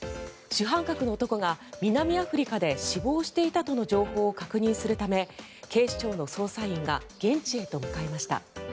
主犯格の男が南アフリカで死亡していたとの情報を確認するため警視庁の捜査員が現地へと向かいました。